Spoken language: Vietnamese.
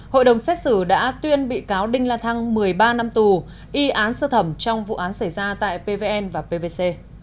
hội đồng xét xử đã tuyên bị cáo đinh la thăng một mươi ba năm tù y án sơ thẩm trong vụ án xảy ra tại pvn và pvc